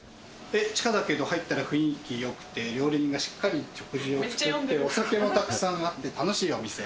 地下だけど入ったら雰囲気よくて料理がしっかり食事を作ってお酒もたくさんあって、楽しいお店。